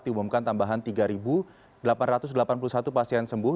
diumumkan tambahan tiga delapan ratus delapan puluh satu pasien sembuh